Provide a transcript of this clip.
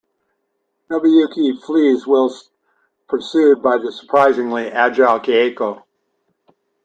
Nobuyuki flees whilst pursued by the surprisingly agile Kayako.